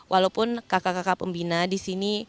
walaupun kakak kakak pembina di sini